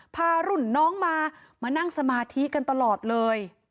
พารุ่นน้องมามานั่งสมาธิกันตลอดเลย